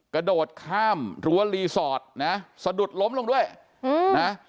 กระโดดข้ามรั้วรีสอร์ทนะสะดุดล้มลงด้วยนะ